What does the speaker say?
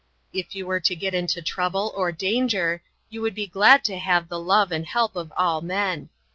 If you were to get into trouble or danger, you would be glad to have the love and help of all men.